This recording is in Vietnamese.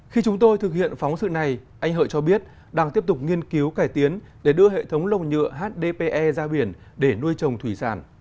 khi chúng tôi thực hiện phóng sự này anh hợi cho biết đang tiếp tục nghiên cứu cải tiến để đưa hệ thống lồng nhựa hdpe ra biển để nuôi trồng thủy sản